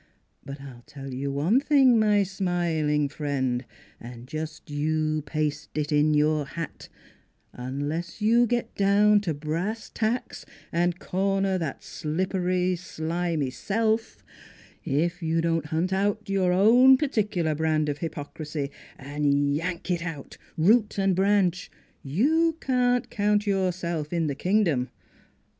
But I'll tell you one thing, my smiling friend, an' just you paste it in your hat unless you get down to brass tacks and corner that slippery, slimy self if you don't hunt out your own particular brand of hypocrisy an' yank it out, root an' branch, you can't count yourself in 2 3 o NEIGHBORS the kingdom.